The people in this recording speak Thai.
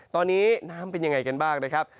ตอนนี้น้ำเป็นยังไงกันบ้างนะครับ